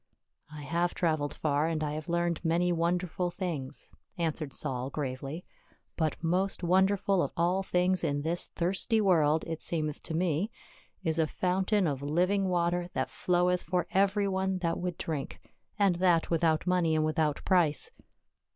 " I have traveled far, and I have learned many won derful things," answered Saul gravely, "but most wonderful of all things in this thirsty world, it seemeth to me, is a fountain of living water, that floweth for every one that would drink — and that without money and without price."